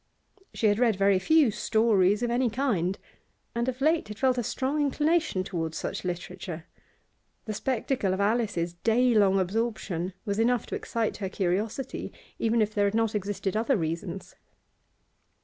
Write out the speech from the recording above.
She had read very few stories of any kind, and of late had felt a strong inclination towards such literature; the spectacle of Alice's day long absorption was enough to excite her curiosity, even if there had not existed other reasons.